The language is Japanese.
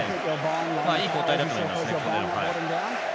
いい交代だと思いますね。